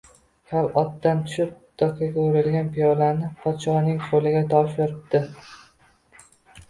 Kal otdan tushib, dokaga o‘ralgan piyolani podshoning qo‘liga topshiribdi